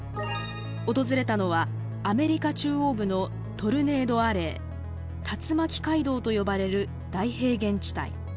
訪れたのはアメリカ中央部のトルネード・アレー竜巻街道と呼ばれる大平原地帯。